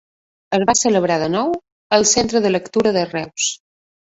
Es va celebrar, de nou, al Centre de Lectura de Reus.